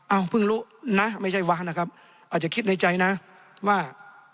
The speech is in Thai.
เพิ่งรู้นะไม่ใช่ว้านะครับอาจจะคิดในใจนะว่า